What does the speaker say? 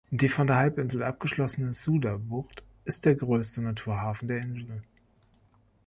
Die von der Halbinsel abgeschlossene "Souda-Bucht" ist der größte Naturhafen der Insel.